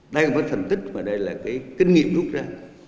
đây là một thần thích mà đây là cái kinh nghiệm rút ra